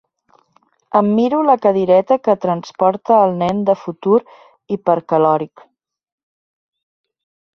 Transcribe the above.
Em miro la cadireta que transporta el nen de futur hipercalòric.